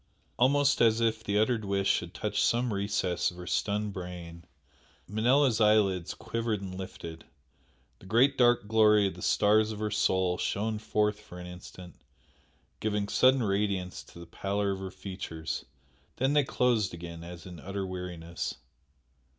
Almost as if the uttered wish had touched some recess of her stunned brain, Manella's eyelids quivered and lifted, the great dark glory of the stars of her soul shone forth for an instant, giving sudden radiance to the pallor of her features then they closed again as in utter weariness.